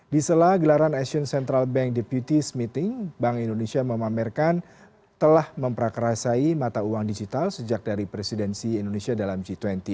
di sela gelaran asian central bank deputies meeting bank indonesia memamerkan telah memperkerasai mata uang digital sejak dari presidensi indonesia dalam g dua puluh